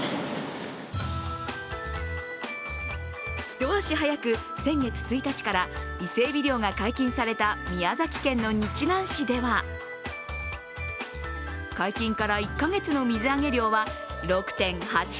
ひと足早く先月１日から伊勢エビ漁が解禁された宮崎県の日南市では解禁から１か月の水揚げ量は６．８ｔ。